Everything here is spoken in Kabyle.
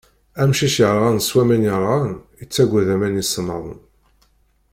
Amcic yerɣan s waman yerɣan, yettagad aman isemmaḍen.